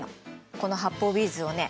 この発泡ビーズをね